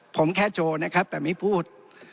ผมแค่โชว์นะครับแต่ไม่พูด